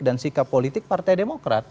dan sikap politik partai demokrat